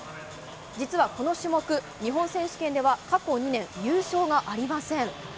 実はこの種目、日本選手権では過去２年、優勝がありません。